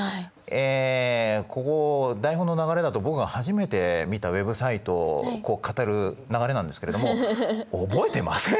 えここ台本の流れだと僕が初めて見たＷｅｂサイトを語る流れなんですけれども覚えてません！